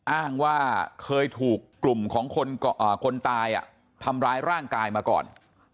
อ้างว่าเคยถูกกลุ่มของคนตายทำร้ายร่างกายมาก่อน